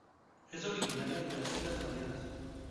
Es originaria de las Islas Marianas.